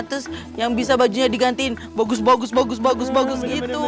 terus yang bisa bajunya digantiin bagus bagus bagus gitu